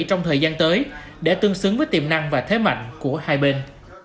trong thời gian tới để tương xứng với tiềm năng và thế mạnh của hai bên